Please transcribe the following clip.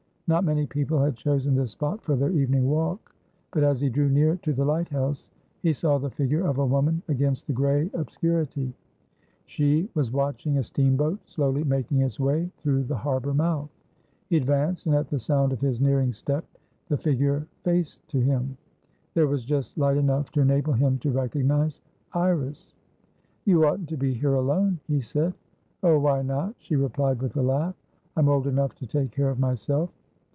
Not many people had chosen this spot for their evening walk, but, as he drew near to the lighthouse, he saw the figure of a woman against the grey obscurity; she was watching a steamboat slowly making its way through the harbour mouth. He advanced, and at the sound of his nearing step the figure faced to him. There was just light enough to enable him to recognise Iris. "You oughtn't to be here alone," he said. "Oh, why not?" she replied with a laugh. "I'm old enough to take care of myself."